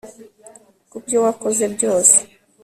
kubyo wakoze byose